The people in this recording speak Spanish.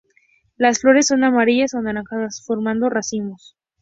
Las flores son amarillas o anaranjadas formando racimos.